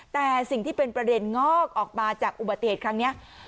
แต่สิ่งที่เป็นประเด็นงอกออกมาจากอุบัติเหตุครั้งนี้